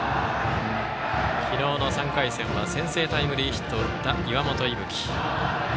昨日の３回戦は先制タイムリーヒットを打った岩本聖冬生。